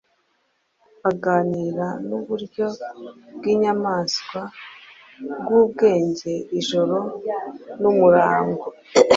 Aganira nuburyo bwinyamanswa bwubwenge ijoro n'umurango,